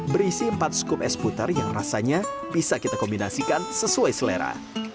berisi empat skup es puter yang rasanya bisa kita kombinasikan sesuai selera